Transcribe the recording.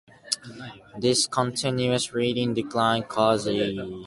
This continuous rating decline caused E!